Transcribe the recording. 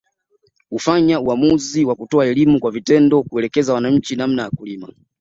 Hufanya uamuzi wa kutoa elimu kwa vitendo na kuelekeza wananchi namna ya kulima